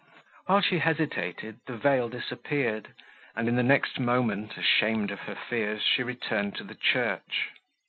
While she hesitated, the veil disappeared, and, in the next moment, ashamed of her fears, she returned to the church.